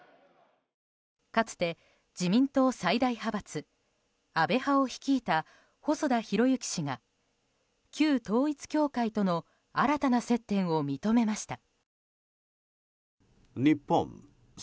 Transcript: かつて、自民党最大派閥安倍派を率いた細田博之氏が旧統一教会との新たな接点を認めました。